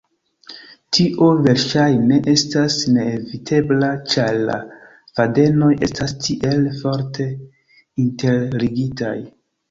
Tio verŝajne estas neevitebla, ĉar la fadenoj estas tiel forte interligitaj.